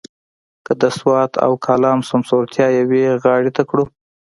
که د سوات او کالام سمسورتیا یوې غاړې ته کړو.